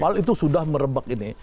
padahal itu sudah merebak ini